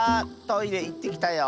トイレいってきたよ。